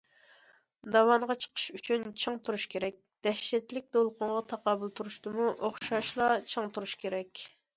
داۋانغا چىقىش ئۈچۈن چىڭ تۇرۇش كېرەك، دەھشەتلىك دولقۇنغا تاقابىل تۇرۇشتىمۇ ئوخشاشلا چىڭ تۇرۇش كېرەك.